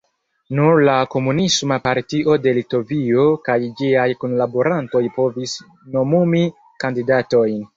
Nur la Komunisma partio de Litovio kaj ĝiaj kunlaborantoj povis nomumi kandidatojn.